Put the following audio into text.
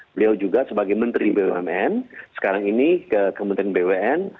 beliau juga sebagai menteri bumn sekarang ini ke kementerian bumn